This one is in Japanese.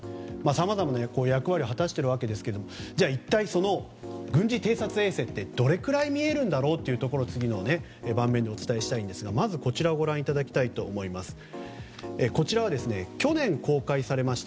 さまざまな役割を果たしているわけですがじゃあ、一体軍事偵察衛星ってどれくらい見えるんだろうというところを次にお伝えしたいんですがまず、こちらは去年公開されました